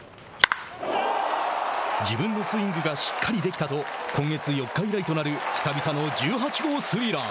自分のスイングがしっかりできたと今月４日以来となる久々の１８号スリーラン。